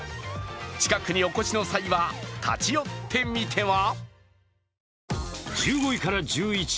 近くにお越しの際は立ち寄ってみては。